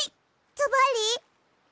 ずばり？